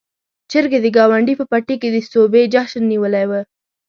چرګې د ګاونډي په پټي کې د سوبې جشن نيولی و.